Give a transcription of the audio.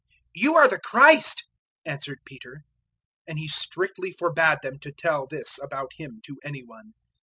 "You are the Christ," answered Peter. 008:030 And He strictly forbad them to tell this about Him to any one.